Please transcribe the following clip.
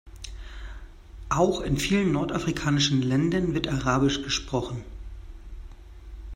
Auch in vielen nordafrikanischen Ländern wird arabisch gesprochen.